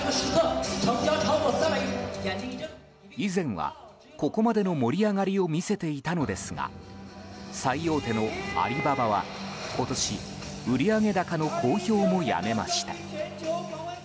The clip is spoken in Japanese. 以前はここまでの盛り上がりを見せていたのですが最大手のアリババは今年売上高の公表もやめました。